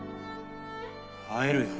会えるよ。